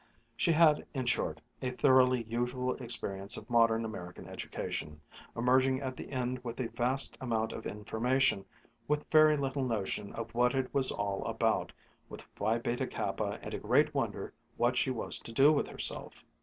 She had, in short, a thoroughly usual experience of modern American education, emerging at the end with a vast amount of information, with very little notion of what it was all about, with Phi Beta Kappa and a great wonder what she was to do with herself.